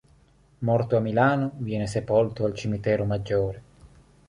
Morto a Milano, viene sepolto al Cimitero Maggiore.